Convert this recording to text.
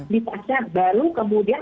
dipasang baru kemudian